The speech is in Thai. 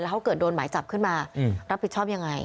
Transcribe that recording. เขาก็เกิดโดนหมาศูนย์จับขึ้นมารับผิดชอบอย่างไร